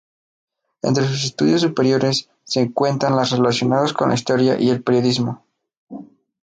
Entre sus estudios superiores se cuentan los relacionados con la Historia y el Periodismo.